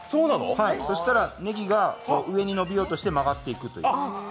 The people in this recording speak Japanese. そしたらねぎが上に伸びようとして曲がっていくという。